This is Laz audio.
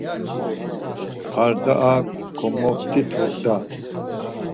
Ar daa, komoft̆itu da.